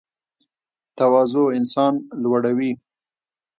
تواضع انسان لوړوي